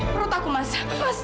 perut aku mas